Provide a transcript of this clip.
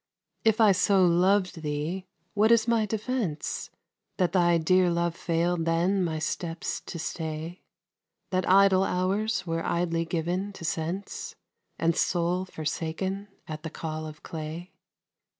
If I so lov'd thee, what is my defence, That thy dear love fail'd then my steps to stay, That idle hours were idly given to sense, And soul forsaken at the call of clay?